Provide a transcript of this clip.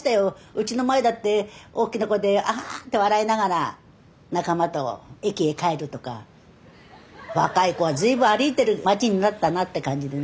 うちの前だって大きな声でアハハッて笑いながら仲間と駅へ帰るとか若い子が随分歩いてる街になったなって感じでね。